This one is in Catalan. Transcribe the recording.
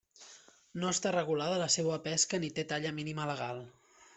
No està regulada la seua pesca ni té talla mínima legal.